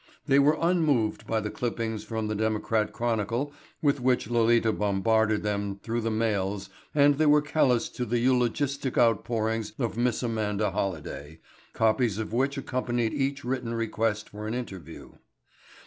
They were unmoved by the clippings from the Democrat Chronicle with which Lolita bombarded them through the mails and they were callous to the eulogistic outpourings of Miss Amanda Holliday, copies of which accompanied each written request for an interview.